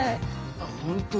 「あっ本当だ」。